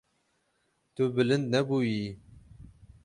Tu bilind nebûyî.